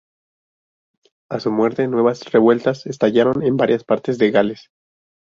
A su muerte, nuevas revueltas estallaron en varias partes de Gales.